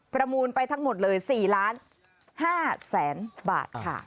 มูลไปทั้งหมดเลย๔๕๐๐๐๐บาทค่ะ